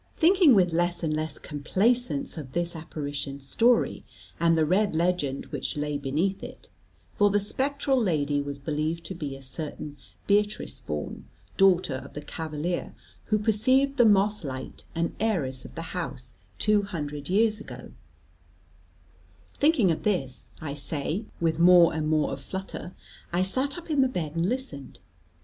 Thinking, with less and less complacence, of this apparition story, and the red legend which lay beneath it, for the spectral lady was believed to be a certain Beatrice Vaughan, daughter of the Cavalier who perceived the moss light, and heiress of the house 200 years ago thinking of this, I say, with more and more of flutter, I sat up in the bed and listened.